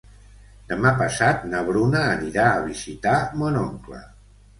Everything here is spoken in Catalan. Demà passat na Bruna anirà a visitar mon oncle.